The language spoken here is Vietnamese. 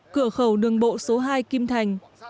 cửa khẩu đường bộ số hai kim thành